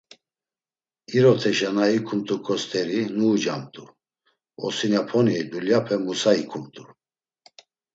İroteşa na ikumt̆uǩo st̆eri nuucamt̆u; osinaponi dulyape Musa ikumt̆u.